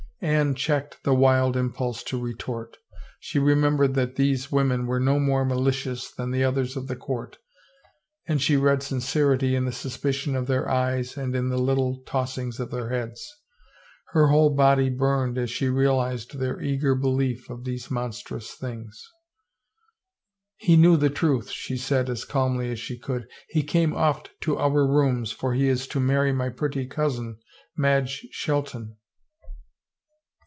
Anne checked the wild impulse to retort. She remem bered that these women were no more malicious than the others of the court and she read sincerity in the suspicion of their eyes and the little tossings of their heads. Her whole body burned as she realized their eager belief of these monstrous things. " He knew the truth," she said as calmly as she could. " He came oft to our rooms for he is to marry my pretty cousin, Madge Shelton."